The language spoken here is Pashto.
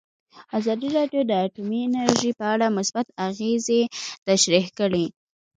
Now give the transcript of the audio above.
ازادي راډیو د اټومي انرژي په اړه مثبت اغېزې تشریح کړي.